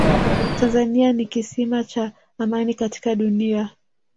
tanzania ni kisima cha amani katika dunia